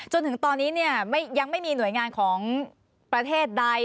จนถึงตอนนี้ยังไม่มีหน่วยงานของประเทศใด